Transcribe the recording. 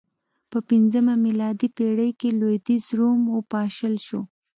په پنځمه میلادي پېړۍ کې لوېدیځ روم وپاشل شو